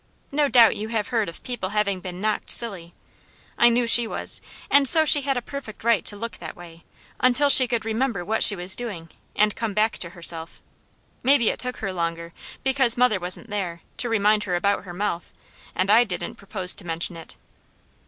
No doubt you have heard of people having been knocked silly; I knew she was, and so she had a perfect right to look that way, until she could remember what she was doing, and come back to herself. Maybe it took her longer, because mother wasn't there, to remind her about her mouth, and I didn't propose to mention it.